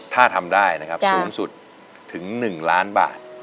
ถ้าทำได้นะครับสูงสุดถึง๑ล้านบาท